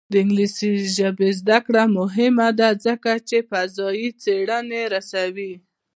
د انګلیسي ژبې زده کړه مهمه ده ځکه چې فضايي څېړنې رسوي.